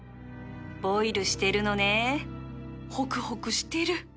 ボイルしてるのねホクホクしてる